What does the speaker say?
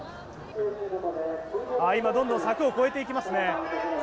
今、どんどん柵を越えていきますね。